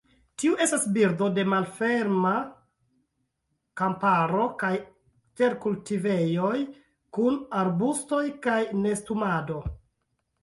Tiu estas birdo de malferma kamparo kaj terkultivejoj, kun arbustoj por nestumado.